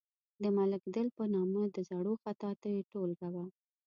د ملک دل په نامه د زړو خطاطیو ټولګه وه.